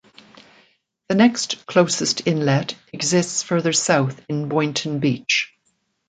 The next closest inlet exists further south in Boynton Beach.